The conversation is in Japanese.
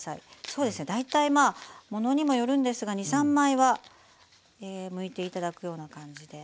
そうですね大体ものにもよるんですが２３枚はむいて頂くような感じで。